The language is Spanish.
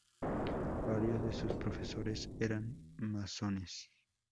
Varios de sus profesores eran masones.